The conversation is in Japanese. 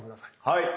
はい。